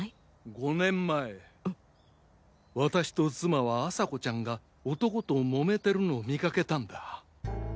５年前私と妻は朝子ちゃんが男とモメてるのを見かけたんだ。